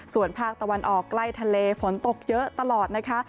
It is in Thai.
ส่วนภาคตะวันออกใกล้ทะเลฝนตกเยอะตลอดนะคะ